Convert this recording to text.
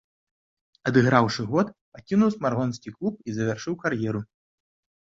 Адыграўшы год, пакінуў смаргонскі клуб і завяршыў кар'еру.